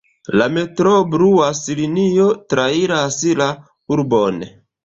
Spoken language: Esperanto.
La metroo "Blua Linio" trairas la urbon.